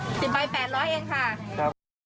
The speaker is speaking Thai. โอ้ไม่ได้เมื่อก่อนก่อนซื้อไป๔ใบ๕๕๐บาท